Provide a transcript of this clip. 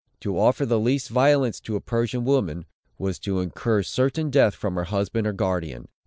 To offer the least violence to a Persian woman, was to incur certain death from her husband or guardian.